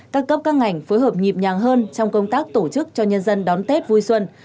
các cấp các ngành phối hợp nhịp nhàng hơn trong công tác tổ chức cho nhân dân đón tết vui xuân